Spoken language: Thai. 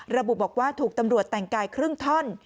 ระบุบอกว่าถูกตำรวจแต่งกายครึ่งท่อน